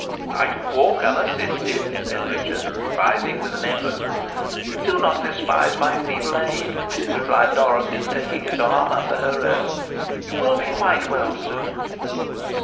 "I can walk unassisted," said Richard, rising with an effort. "Do not despise my feeble aid," replied Dorothy, taking his arm under her own. "You will be quite well soon."